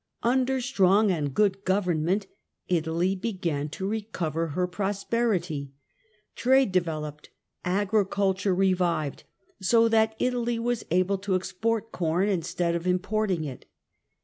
Under strong and good government Italy began to recover her prosperity, Trade developed, agriculture revived, so that Italy was able to export corn instead of importing it.